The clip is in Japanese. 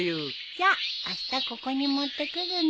じゃあしたここに持ってくるね。